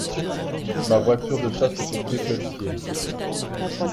Ma voiture de chasse est au Quai Pelletier.